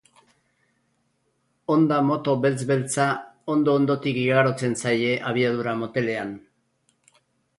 Honda moto beltz-beltza ondo-ondotik igarotzen zaie abiadura motelean.